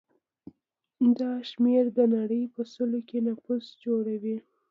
دا شمېر د نړۍ په سلو کې نفوس جوړوي.